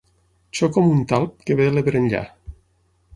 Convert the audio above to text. Xoco amb un talp que ve de l'Ebre enllà.